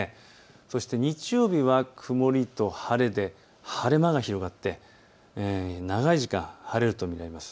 そして日曜日は曇りと晴れで晴れ間が広がって長い時間、晴れると見られます。